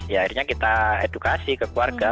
ya akhirnya kita edukasi ke keluarga